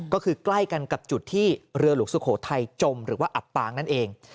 ก็คือใกล้กันกับจุดที่เรือหลวงสุโขทัยจมหรือว่าอับปางนั่นเอง